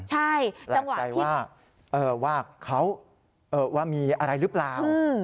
ใช่แปลกใจว่าเขาว่ามีอะไรหรือเปล่า